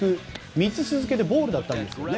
３つ続けてボールだったんです。